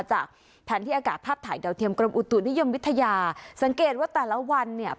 จากแผนที่อากาศภาพถ่ายดาวเทียมกรมอุตุนิยมวิทยาสังเกตว่าแต่ละวันเนี่ย